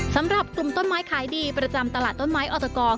สำหรับกลุ่มต้นไม้ขายดีประจำตลาดต้นไม้ออตก